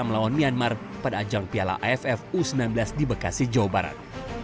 melawan myanmar pada ajang piala aff u sembilan belas di bekasi jawa barat